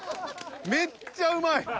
めっちゃうまい。